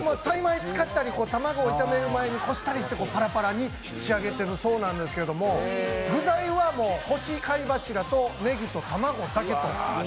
タイ米使ったり、卵を炒める前にこしたりしてパラパラに仕上げてるそうなんですけど、具材は干し貝柱とねぎと卵だけと。